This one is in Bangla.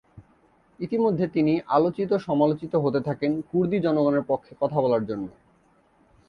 ইতিমধ্যে তিনি আলোচিত সমালোচিত হতে থাকেন কুর্দি জনগণের পক্ষে কথা বলার জন্যে।